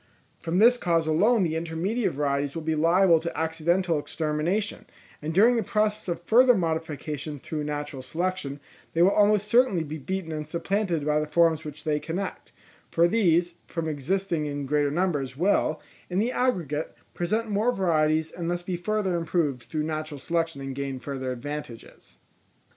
From this cause alone the intermediate varieties will be liable to accidental extermination; and during the process of further modification through natural selection, they will almost certainly be beaten and supplanted by the forms which they connect; for these, from existing in greater numbers will, in the aggregate, present more varieties, and thus be further improved through natural selection and gain further advantages.